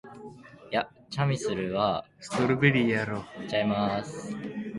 私はチャミスルマスカット味が好き